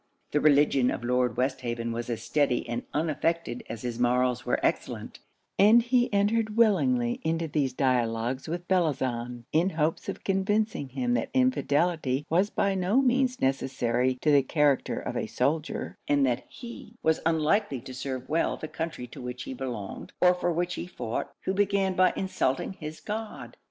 The religion of Lord Westhaven was as steady and unaffected as his morals were excellent; and he entered willingly into these dialogues with Bellozane, in hopes of convincing him that infidelity was by no means necessary to the character of a soldier; and that he was unlikely to serve well the country to which he belonged, or for which he fought, who began by insulting his God.